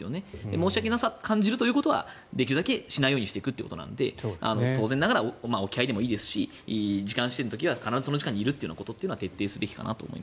申し訳なさを感じるということはできるだけしないようにしていくということなので当然ながら置き配でもいいですし時間指定の時は必ずその時間にいるというのは徹底すべきかなと。